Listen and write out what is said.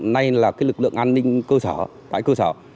đây là lực lượng an ninh tại cơ sở